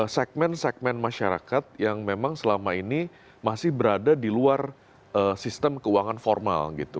segmen segmen masyarakat yang memang selama ini masih berada di luar sistem keuangan formal gitu